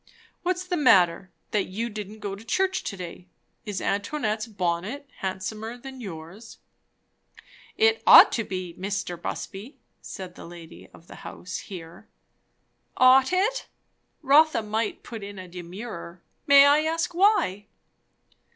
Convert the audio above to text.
"What's the matter, that you didn't go to church to day? Is Antoinette's bonnet handsomer than yours?" "It ought to be, Mr. Busby," said the lady of the house here. "Ought it? Rotha might put in a demurrer. May I ask why?"